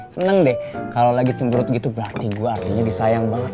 seneng deh kalo lagi cembrut gitu berarti gua artinya disayang banget